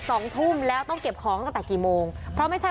นี่คุณพี่ร้องไห้เลยฟังเสียงเขาหน่อยนะคะ